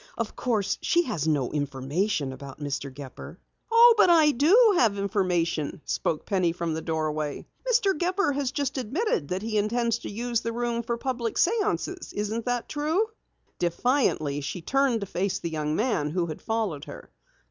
Of course, she has no information about Mr. Gepper." "Oh, but I do have information," spoke Penny from the doorway. "Mr. Gepper has just admitted that he intends to use the room for public séances. Isn't that true?" Defiantly, she turned to face the young man who had followed her.